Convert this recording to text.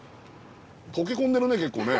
とけ込んでるね結構ね。